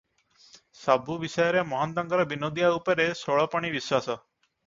ସବୁ ବିଷୟରେ ମହନ୍ତଙ୍କର ବିନୋଦିଆ ଉପରେ ଷୋଳପଣି ବିଶ୍ୱାସ ।